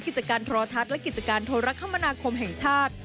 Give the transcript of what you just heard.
กิจการโทรทัศน์และกิจการโทรคมนาคมแห่งชาติ